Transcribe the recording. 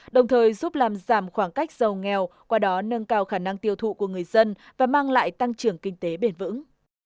đồng thời giúp làm giảm khoảng cách giàu nghèo qua đó nâng cao khả năng tiêu thụ của người dân và mang lại tăng trưởng kinh tế bền vững